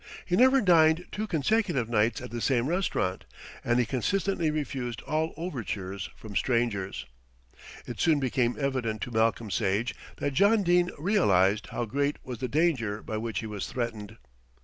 He never dined two consecutive nights at the same restaurant, and he consistently refused all overtures from strangers. It soon became evident to Malcolm Sage that John Dene realised how great was the danger by which he was threatened.